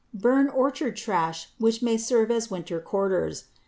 _ Burn orchard trash which may serve as winter quarters.